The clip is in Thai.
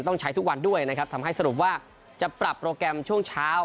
ต้องใช้ทุกวันด้วยนะครับทำให้สรุปว่าจะปรับโปรแกรมช่วงเช้า